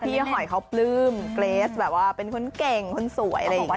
พี่หอยเขาปลื้มเกรสแบบว่าเป็นคนเก่งคนสวยอะไรอย่างนี้